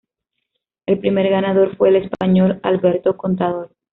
El primer ganador fue el español Alberto Contador.